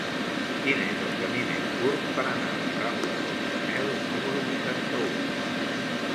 Quin és el camí més curt per anar a la rambla del Carmel número vuitanta-u?